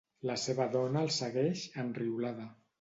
La seva dona el segueix, enriolada.